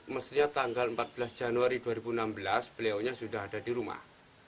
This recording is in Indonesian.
mestinya tanggal empat belas januari dua ribu enam belas beliau sudah ada di rumah